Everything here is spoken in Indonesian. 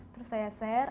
terus saya share